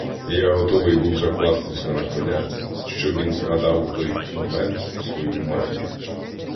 Я готовий був закластися на коня, що він згадав у той момент свою матір.